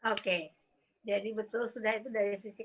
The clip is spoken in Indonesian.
oke jadi betul sudah itu dari sisi